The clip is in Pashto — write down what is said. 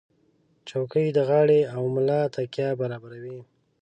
چوکۍ د غاړې او ملا تکیه برابروي.